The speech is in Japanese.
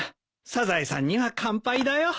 サザエさんには完敗だよ。